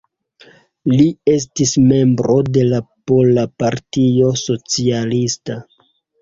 Li estis membro de la Pola Partio Socialista.